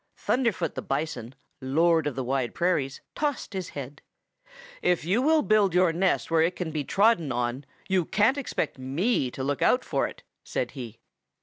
"Thunderfoot the Bison, Lord of the Wide Prairies, tossed his head. 'If you will build your nest where it can be trodden on, you can't expect me to look out for it,' said he.